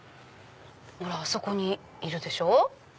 ほらあそこにいるでしょ。